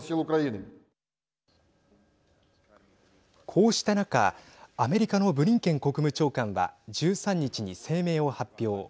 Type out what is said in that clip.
こうした中アメリカのブリンケン国務長官は１３日に声明を発表。